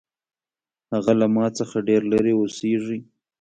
هغه له ما څخه ډېر لرې اوسیږي